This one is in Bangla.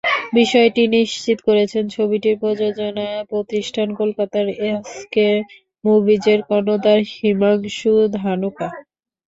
বিষয়টি নিশ্চিত করেছেন ছবিটির প্রযোজনা প্রতিষ্ঠান কলকাতার এসকে মুভিজের কর্নধার হিমাংশু ধানুকা।